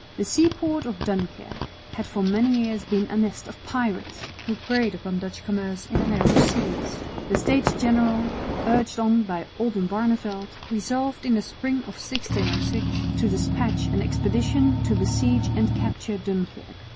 The seaport of Dunkirk had for many years been a nest of pirates, who preyed upon Dutch commerce in the narrow seas. The States General, urged on by Oldenbarneveldt, resolved in the spring of 1606 to despatch an expedition to besiege and capture Dunkirk.